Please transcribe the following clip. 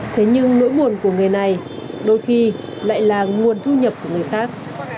thế nhưng nỗi buồn của người này đôi khi lại là nguồn thu nhập của người khác